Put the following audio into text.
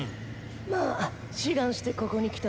まあ志願してここに来た